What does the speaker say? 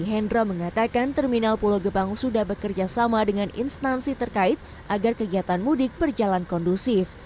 hendra mengatakan terminal pulau gebang sudah bekerja sama dengan instansi terkait agar kegiatan mudik berjalan kondusif